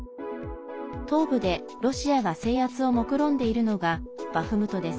東部で、ロシアが制圧をもくろんでいるのがバフムトです。